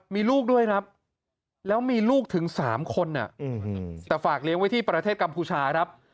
มีลูกด้วยครับแล้วมีลูกถึง๓คนแต่ฝากเลี้ยงไว้ที่ประเทศกัมพูชาครับ